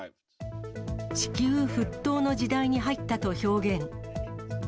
地球沸騰の時代に入ったと表現。